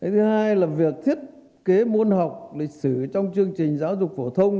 thứ hai là việc thiết kế môn học lịch sử trong chương trình giáo dục phổ thông